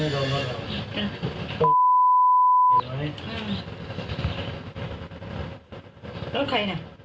รถใครน่ะ